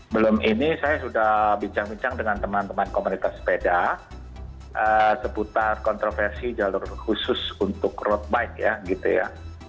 belum ini saya sudah bincang bincang dengan teman teman komunitas sepeda seputar kontroversi jalur khusus untuk road bike ya gitu ya